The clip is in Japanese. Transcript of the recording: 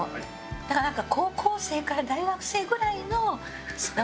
だからなんか。